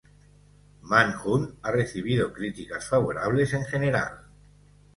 Manhunt ha recibido críticas favorables en general.